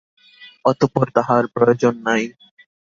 অতঃপর তাহার প্রয়ােজন নাই।